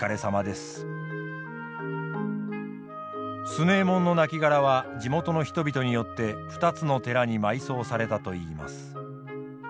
強右衛門の亡骸は地元の人々によって２つの寺に埋葬されたといいます。